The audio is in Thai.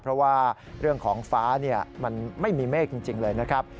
เพราะว่าเรื่องของฟ้ามันไม่มีเมฆจริงเลยนะครับ